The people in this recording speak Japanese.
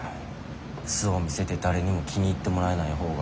素を見せて誰にも気に入ってもらえないほうが。